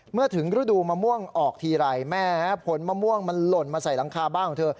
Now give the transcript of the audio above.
เมื่อถึงฤดูมะม่วงออกทีไรแม่ผลมะม่วงมันหล่นมาใส่หลังคาบ้านของเธอ